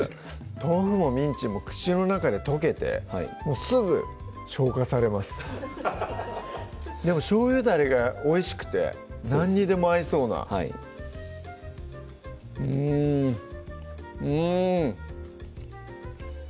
豆腐もミンチも口の中で溶けてもうすぐ消化されますでもしょうゆダレがおいしくて何にでも合いそうなうんうん